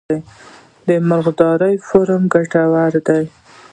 د مرغدارۍ فارم ګټور دی؟